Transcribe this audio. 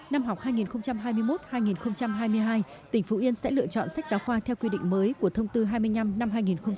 năm học hai nghìn hai mươi một hai nghìn hai mươi hai tỉnh phú yên sẽ lựa chọn sách giáo khoa theo quy định mới của thông tư hai mươi năm năm hai nghìn hai mươi